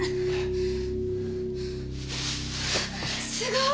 すごい！